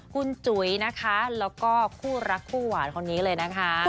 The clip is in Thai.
คุณจุ๋ยนะคะแล้วก็คู่รักคู่หวานคนนี้เลยนะคะ